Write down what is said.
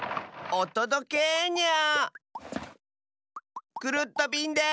おとどけニャ！